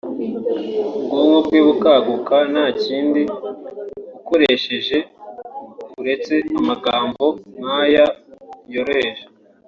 ubwonko bwe bukaguka nta kindi ukoresheje uretse amagambo nk’aya yoroheje